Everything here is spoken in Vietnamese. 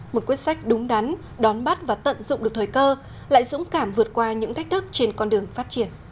một quyết sách đúng đắn đón bắt và tận dụng được thời cơ lại dũng cảm vượt qua những thách thức trên con đường phát triển